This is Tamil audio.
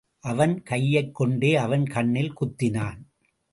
அவன் கையைக் கொண்டே அவன் கண்ணில் குத்தினான்.